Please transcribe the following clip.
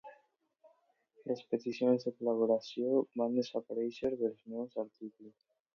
Les peticions de col·laboració van desaparèixer dels meus articles.